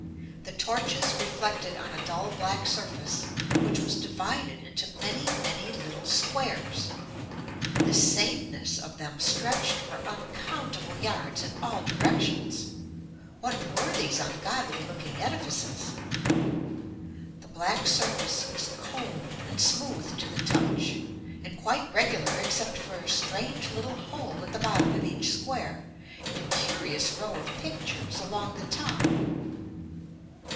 The torches reflected on a dull black surface which was divided into many, many little squares. The sameness of them stretched for uncountable yards in all directions. What were these ungodly looking edifices? The black surface was cold and smooth to the touch and quite regular except for a strange little hole at the bottom of each square and a curious row of pictures along the top.